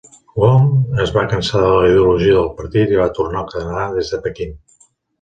Wong es va cansar de la ideologia de partit i va tornar al Canadà des de Pequín.